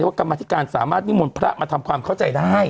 กรรมธิการสามารถนิมนต์พระมาทำความเข้าใจได้